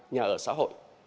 nhà ở xã hội